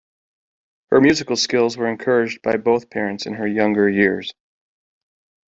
Her musical skills were encouraged by both parents in her younger years.